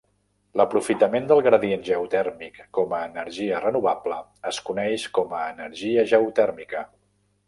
L'aprofitament del gradient geotèrmic com a energia renovable es coneix com a energia geotèrmica.